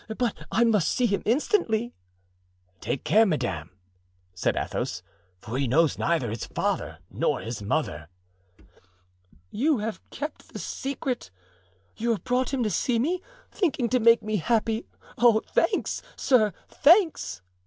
But I must see him instantly." "Take care, madame," said Athos, "for he knows neither his father nor his mother." "You have kept the secret! you have brought him to see me, thinking to make me happy. Oh, thanks! sir, thanks!"